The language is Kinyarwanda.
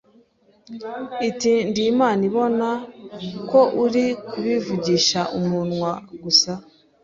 iti ndi Imana ibona ko uri kubivugisha umunwa gusa,